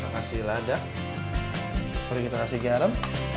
kasih lada berita kasih garam